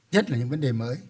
nhất là những vấn đề mới